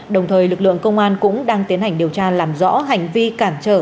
đồng thời lực lượng công an cũng đang tiến hành điều tra làm rõ hành vi cản trở